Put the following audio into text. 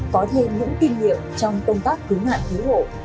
có thêm những kinh nghiệm trong công tác cứu nạn cứu hộ